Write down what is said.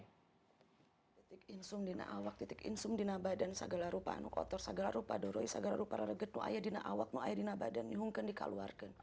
titik insum dina awak titik insum dina badan sagalarupa anak kotor sagalarupa doroi sagalarupa raruget noaya dina awak noaya dina badan nyungken dikaluarken